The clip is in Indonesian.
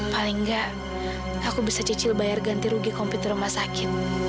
paling nggak aku bisa cicil bayar ganti rugi komputer rumah sakit